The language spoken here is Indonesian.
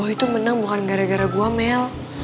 oh itu menang bukan gara gara gue mel